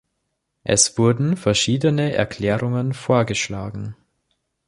Es wurden verschiedene Erklärungen vorgeschlagen.